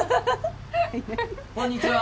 こんにちは！